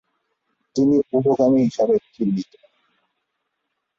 তিনি উভকামী হিসাবে চিহ্নিত।